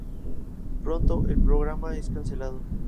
Pronto, el programa es cancelado.